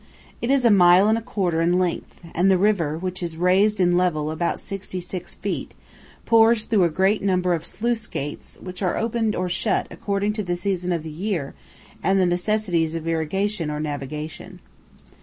It is a mile and a quarter in length, and the river, which is raised in level about 66 feet, pours through a great number of sluice gates which are opened or shut according to the season of the year and the necessities of irrigation or navigation.